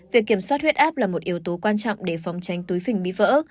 việc kiểm soát huyết áp là một yếu tố quan trọng để phòng tránh túi phình bị vỡ